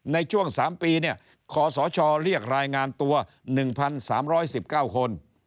ในช่วง๓ปีขอสชเรียกรายงานตัว๑๓๑๙คน